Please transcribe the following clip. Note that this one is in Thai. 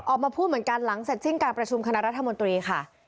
ออกมาพูดเหมือนกันหลังเสร็จสิ้นการประชุมคณะรัฐมนตรีค่ะ